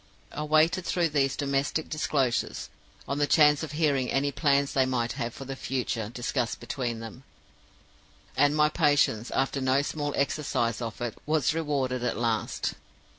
I waited through these domestic disclosures on the chance of hearing any plans they might have for the future discussed between them; and my patience, after no small exercise of it, was rewarded at last.